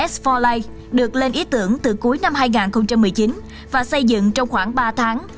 s bốn line được lên ý tưởng từ cuối năm hai nghìn một mươi chín và xây dựng trong khoảng ba tháng